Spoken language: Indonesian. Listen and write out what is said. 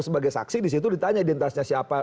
sebagai saksi disitu ditanya identitasnya siapa